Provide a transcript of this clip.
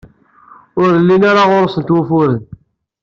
Ur llin ara ɣer-sent wufuren.